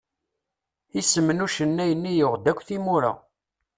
Isem n ucennay-nni yuɣ-d akk timura.